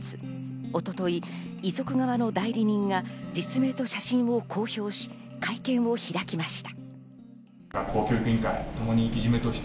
一昨日、遺族側の代理人が実名と写真を公表し、会見を開きました。